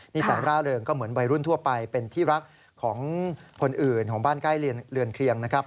นิสัยร่าเริงก็เหมือนวัยรุ่นทั่วไปเป็นที่รักของคนอื่นของบ้านใกล้เรือนเคลียงนะครับ